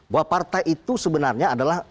bahwa partai itu sebenarnya adalah